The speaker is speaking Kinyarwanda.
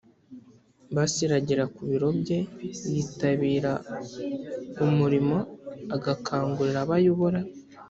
basiragira ku biro bye yitabira umurimo agakangurira abo ayobora